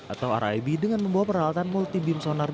atau rib dengan membawa peralatan multi beam sonar